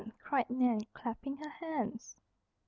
cried Nan, clapping her hands.